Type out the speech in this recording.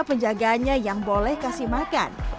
penjagaannya yang boleh kasih makan uh